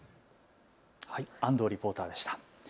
安藤リポーターでした。